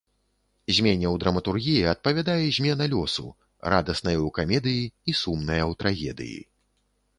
Змене ў драматургіі адпавядае змена лёсу, радасная ў камедыі і сумная ў трагедыі.